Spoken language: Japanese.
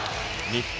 日本！